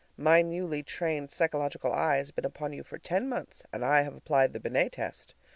My newly trained psychological eye has been upon you for ten months, and I have applied the Binet test.